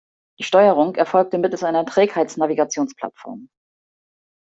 Die Steuerung erfolgte mittels einer Trägheitsnavigationsplattform.